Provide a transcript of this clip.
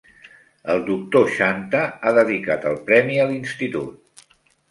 El Doctor Shanta ha dedicat el premi a l"institut.